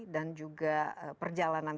dan juga perjalanan